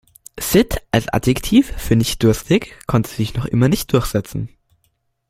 Sitt als Adjektiv für nicht-durstig konnte sich noch immer nicht durchsetzen.